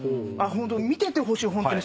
見ててほしいホントに。